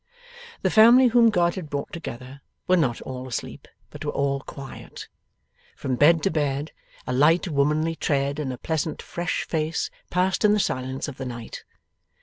The family whom God had brought together were not all asleep, but were all quiet. From bed to bed, a light womanly tread and a pleasant fresh face passed in the silence of the night.